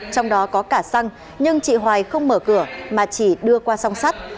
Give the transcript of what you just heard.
đạt đưa cả xăng nhưng chị hoài không mở cửa mà chỉ đưa qua song sắt